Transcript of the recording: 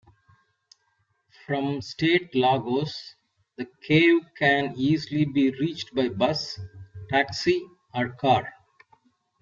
From Sete Lagoas the cave can easily be reached by bus, taxi or car.